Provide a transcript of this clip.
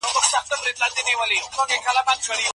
قلمونه بې رنګه نه وي.